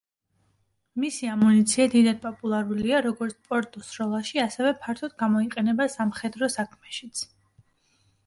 მისი ამუნიცია დიდად პოპულარულია, როგორც სპორტულ სროლაში, ასევე ფართოდ გამოიყენება სამხედრო საქმეშიც.